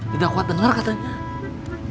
tidak kuat dengar katanya